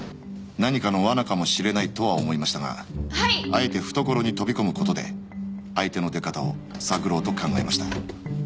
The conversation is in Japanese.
何かの罠かもしれないとは思いましたがあえて懐に飛び込む事で相手の出方を探ろうと考えました。